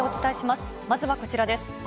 まずはこちらです。